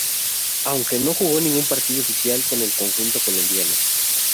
Aunque no jugó ningún partido oficial con el conjunto colombiano.